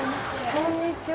こんにちは。